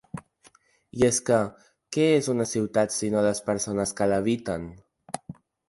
I és que què és una ciutat sinó les persones que l’habiten?